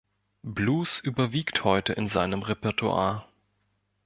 Blues überwiegt heute in seinem Repertoire.